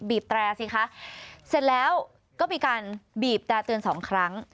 แตรสิคะเสร็จแล้วก็มีการบีบแต่เตือนสองครั้ง